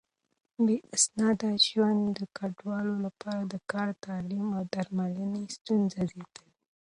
بې اسناده ژوند د کډوالو لپاره د کار، تعليم او درملنې ستونزې زياتوي.